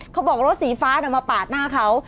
เขาบอกรถสีฟ้ามาปาดหน้าเขา